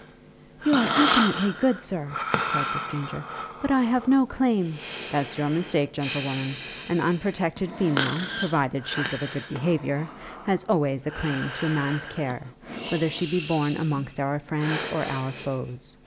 'You are infinitely good, Sir,' cried the stranger, 'but I have no claim .' 'That's your mistake, gentlewoman. An unprotected female, provided she's of a good behaviour, has always a claim to a man's care, whether she be born amongst our friends or our foes.